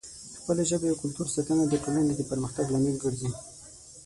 د خپلې ژبې او کلتور ساتنه د ټولنې د پرمختګ لامل ګرځي.